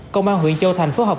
công an huyền châu thành phối hợp